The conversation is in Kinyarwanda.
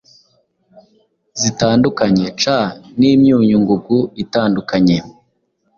zitandukanye, C n’imyunyu ngugu itandukanye,